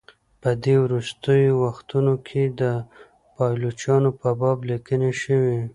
په دې وروستیو وختونو کې د پایلوچانو په باب لیکني شوي.